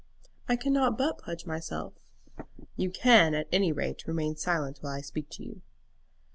"I cannot but pledge myself." "You can at any rate remain silent while I speak to you."